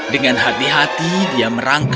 dengan hati hati dia merangkak